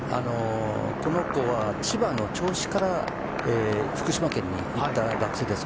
この子は千葉の銚子から福島県に行った学生です。